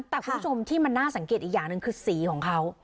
แต่คุณผู้ชมที่มันน่าสังเกตอีกอย่างหนึ่งคือสีของเขา